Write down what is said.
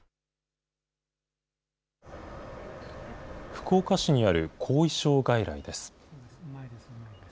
福岡市にある後遺症外来です。